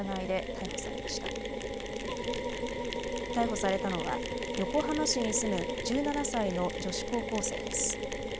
逮捕されたのは横浜市に住む１７歳の女子高校生です。